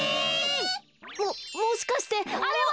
ももしかしてあれは！